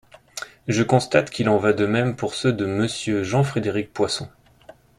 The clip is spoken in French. Je constate qu’il en va de même pour ceux de Monsieur Jean-Frédéric Poisson.